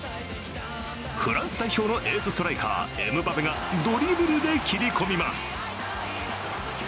フランス代表のエースストライカー、エムバペがドリブルで切り込みます。